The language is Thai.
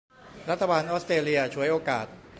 รัฐบาลออสเตรเลียฉวยโอกาส